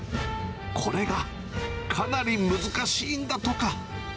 これが、かなり難しいんだとか。